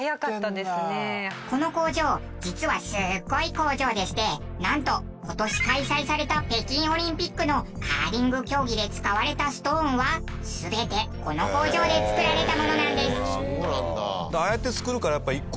この工場実はすごい工場でしてなんと今年開催された北京オリンピックのカーリング競技で使われたストーンは全てこの工場で作られたものなんです。